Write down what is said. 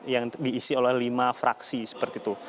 yang diisi oleh lima fraksi seperti itu